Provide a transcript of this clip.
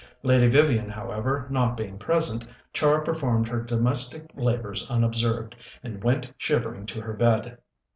Lady Vivian, however, not being present, Char performed her domestic labours unobserved, and went shivering to her bed.